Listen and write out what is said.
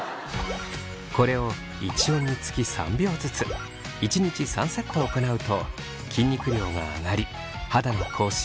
これを１音につき３秒ずつ１日３セットを行うと筋肉量が上がり肌の更新